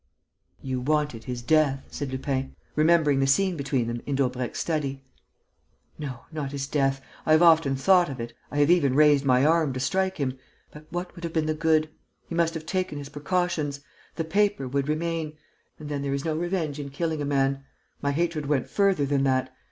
"You wanted his death," said Lupin, remembering the scene between them in Daubrecq's study. "No, not his death. I have often thought of it, I have even raised my arm to strike him, but what would have been the good? He must have taken his precautions. The paper would remain. And then there is no revenge in killing a man.... My hatred went further than that....